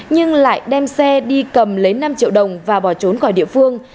nhưng lại đem xe đi cầm lấy năm triệu đồng và bỏ trốn khỏi địa phương